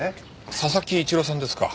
佐々木一郎さんですか？